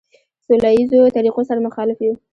سوله ایزو طریقو سره مخالف یو.